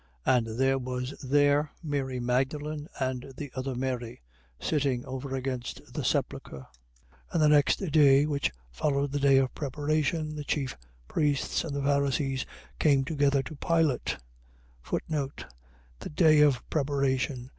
27:61. And there was there Mary Magdalen and the other Mary, sitting over against the sepulchre. 27:62. And the next day, which followed the day of preparation, the chief priests and the Pharisees came together to Pilate, The day of preparation.